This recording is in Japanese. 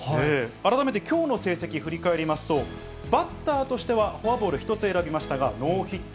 改めてきょうの成績、振り返りますと、バッターとしてはフォアボール１つ選びましたが、ノーヒット。